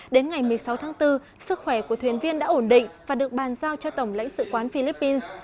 đến ngày một mươi sáu tháng bốn sức khỏe của thuyền viên đã ổn định và được bàn giao cho tổng lãnh sự quán philippines